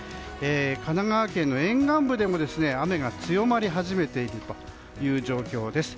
神奈川県の沿岸部でも雨が強まり始めているという状況です。